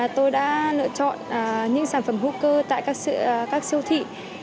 tôi đã lựa chọn những sản phẩm hooker tại các siêu thị